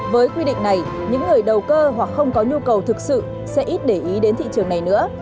với quy định này những người đầu cơ hoặc không có nhu cầu thực sự sẽ ít để ý đến thị trường này nữa